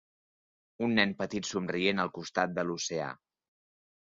Un nen petit somrient al costat de l'oceà.